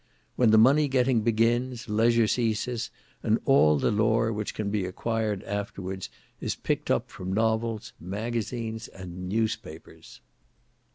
When the money getting begins, leisure ceases, and all of lore which can be acquired afterwards, is picked up from novels, magazines, and newspapers.